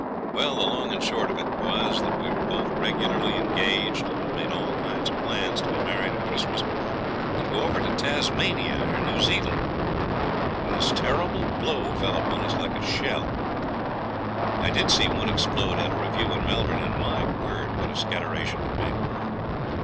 Well, the long and short of it was that we were both regularly engaged and had made all kinds of plans to be married at Christmas and go over to Tasmania or New Zealand, when this terrible blow fell upon us like a shell. I did see one explode at a review in Melbourne and, my word! what a scatteration it made.